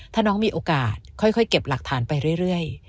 ถ้าน้องมีโอกาสค่อยเก็บหลักฐานไปเรื่อย